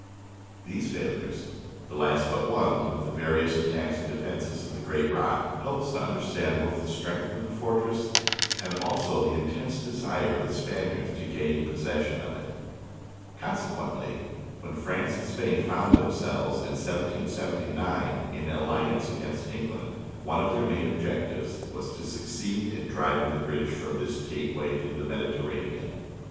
These failures, the last but one of the various attacks and defences of the great rock, help us to understand both the strength of the fortress and also the intense desire of the Spaniards to gain pos session of it. Consequently when France and Spain found themselves, in 1779, in alliance against Eng land, one of their main objects was to succeed in driving the British from this gateway to the Medi terranean.